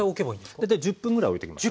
大体１０分ぐらいおいときますよ。